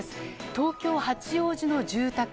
東京・八王子の住宅。